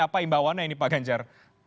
apa imbauannya ini pak ganjar